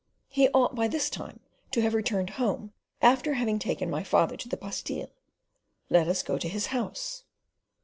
"He ought by this time to have returned home, after having taken my father to the Bastile. Let us go to his house."